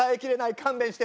勘弁して。